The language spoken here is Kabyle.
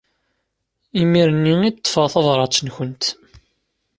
Imir-nni i d-ṭṭfeɣ tabrat-nkent.